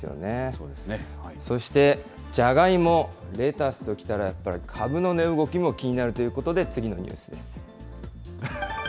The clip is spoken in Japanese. そして、じゃがいも、レタスときたら、やっぱり株の値動きも気になるということで、次のニュースです。